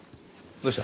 どうした。